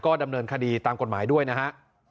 ดำเนินคดีตามกฎหมายด้วยนะฮะ